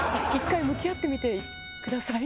１回向き合ってみてください。